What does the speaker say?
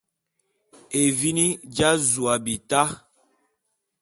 Evini dja’azu a bita.